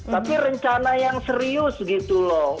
tapi rencana yang serius gitu loh